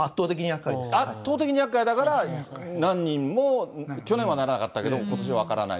圧倒的にやっかいだから、何人も、去年はならなかったけど、ことしは分からない。